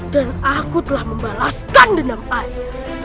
dan aku telah membalaskan denam ayah